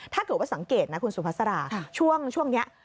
ถ้าเกิดว่าสังเกตนะคุณสุภาษาช่วงนี้